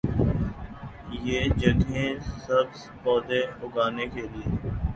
یہ جگہیں سبز پودے اگانے کے لئے